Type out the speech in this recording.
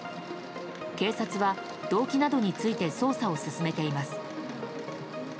警察は動機などについて捜査を進めています。